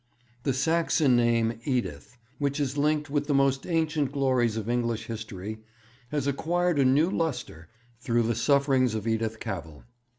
_ 'The Saxon name Edith, which is linked with the most ancient glories of English history, has acquired a new lustre through the sufferings of Edith Cavell.